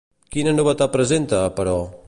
Quina novetat presenta, però?